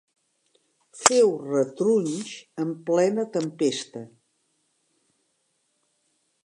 Feu retrunys en plena tempesta.